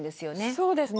そうですね